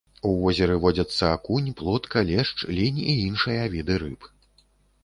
У возеры водзяцца акунь, плотка, лешч, лінь і іншыя віды рыб.